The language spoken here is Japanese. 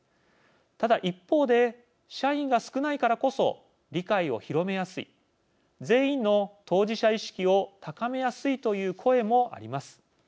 ただ、一方で社員が少ないからこそ理解を広めやすい全員の当事者意識を高めやすいという声もあります。